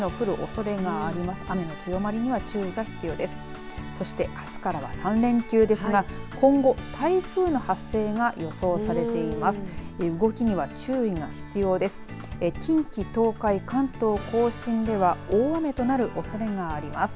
そして、あすからは３連休ですが今後、台風の発生が予想されています。